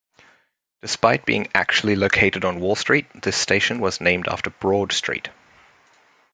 Despite being actually located on Wall Street, this station was named after Broad Street.